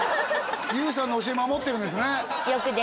ＹＯＵさんの教え守ってるんですね